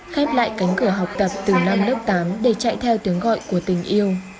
khép lại cánh cửa học tập từ năm lớp tám để chạy theo tiếng gọi của tình yêu